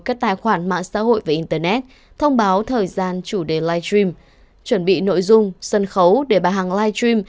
các tài khoản mạng xã hội và internet thông báo thời gian chủ đề live stream chuẩn bị nội dung sân khấu để bà hàng live stream